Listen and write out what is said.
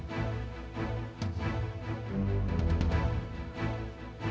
kamu suruh teman teman kamu pergi yang jauh ya